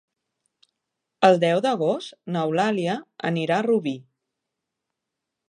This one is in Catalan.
El deu d'agost n'Eulàlia anirà a Rubí.